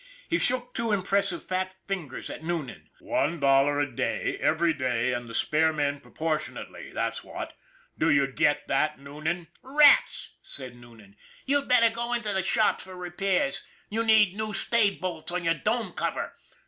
He shook two impressive fat fingers at Noonan. " One dollar a day, every day, and the spare men proportionately, that's what! Do you get that, Noonan ?"" Rats !" said Noonan. " You'd better go into the shops for repairs. You need new stay bolts on your dome cover